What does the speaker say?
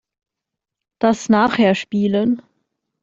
Das nachher spielen.